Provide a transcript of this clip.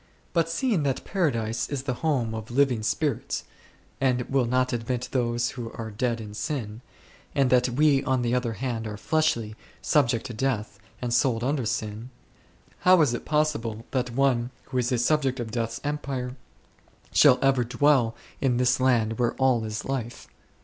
But seeing that Paradise is the home of living spirits, and will not admit those who are dead in sin, and that we on the other hand are fleshly, subject to death, and sold under sin 5, how is it possible that one who is a subject of death's empire should ever dwell in this land where all is life